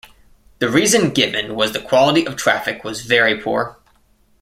The reason given was the quality of traffic was very poor.